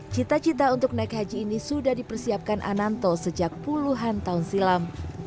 cita cita untuk naik haji ini sudah dipersiapkan ananto sejak puluhan tahun silam